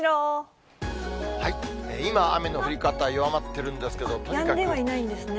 今、雨の降り方、弱まっているんですけど。